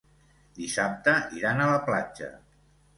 Dissabte iran a la platja.